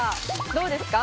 どうですか？